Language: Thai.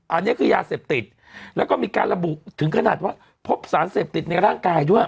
อันนี้คือยาเสพติดแล้วก็มีการระบุถึงขนาดว่าพบสารเสพติดในร่างกายด้วย